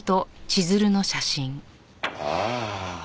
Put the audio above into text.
ああ。